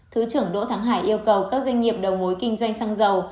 thứ trưởng đỗ thắng hải yêu cầu các doanh nghiệp đầu mối kinh doanh xăng dầu